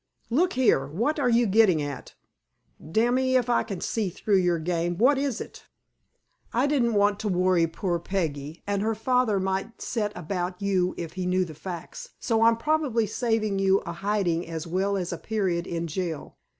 "Look here! What are you gettin' at? Damme if I can see through your game. What is it?" "I didn't want to worry poor Peggy. And her father might set about you if he knew the facts, so I'm probably saving you a hiding as well as a period in jail.